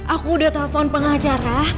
aku udah telepon pengacara